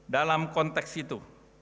dalam konteks itu